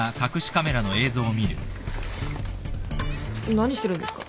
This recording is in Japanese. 何してるんですか？